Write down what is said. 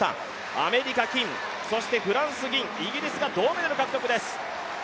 アメリカ金、フランス銀、イギリスが銅メダル獲得です。